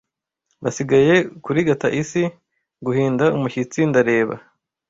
Basigaye kurigata isi. Guhinda umushyitsi ndareba